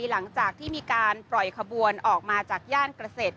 หลังจากที่มีการปล่อยขบวนออกมาจากย่านเกษตร